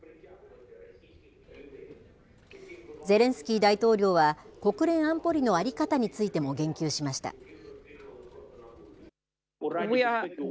ゼレンスキー大統領は、国連安保理の在り方についても言及しました。